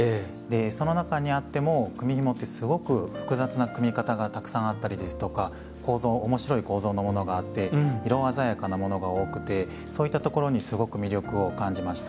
その中にあっても組みひもってすごく複雑な組み方がたくさんあったりですとか面白い構造のものがあって色鮮やかなものが多くてそういったところにすごく魅力を感じました。